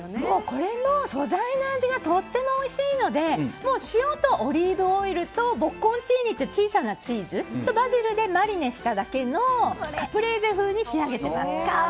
これも素材の味がとてもおいしいので塩とオリーブオイルとボッコンチーニっていう小さなチーズとバジルでマリネしただけのカプレーゼ風に仕上げています。